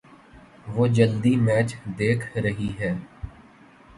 وہ جلدی میچ دیکھ رہی ہے۔